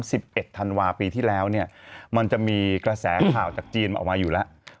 สิบเอ็ดธันวาปีที่แล้วเนี่ยมันจะมีกระแสข่าวจากจีนออกมาอยู่แล้ว